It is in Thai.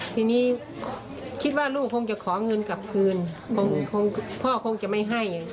ทีนี้คิดว่าลูกคงจะขอเงินกลับคืนพ่อคงจะไม่ให้